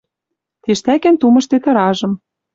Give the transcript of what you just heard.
Тиштӓкен тумыштет ыражым, —